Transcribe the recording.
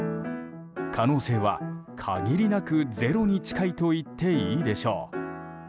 可能性は限りなくゼロに近いといっていいでしょう。